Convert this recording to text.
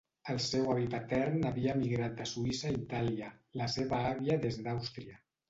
El seu avi patern havia emigrat de Suïssa a Itàlia la seva avia des d'Àustria.